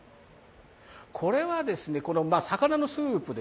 これはですね、魚のスープで、